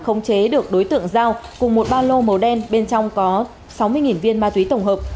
khống chế được đối tượng giao cùng một ba lô màu đen bên trong có sáu mươi viên ma túy tổng hợp